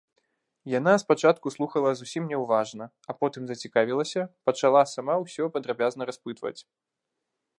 Яна спачатку слухала зусім няўважна, а потым зацікавілася, пачала сама ўсё падрабязна распытваць.